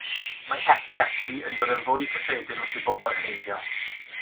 Mae epilepsi yn dod yn fwy cyffredin wrth i bobl heneiddio.